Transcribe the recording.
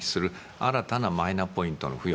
新たなマイナポイントの付与。